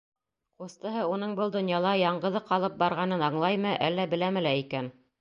Ҡустыһы уның был донъяла яңғыҙы ҡалып барғанын аңлаймы, әллә беләме лә икән?